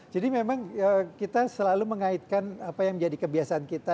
memang kita selalu mengaitkan apa yang menjadi kebiasaan kita